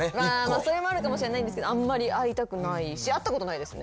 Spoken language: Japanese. それもあるかもしれないですけどあんまり会いたくないし会ったことないですね。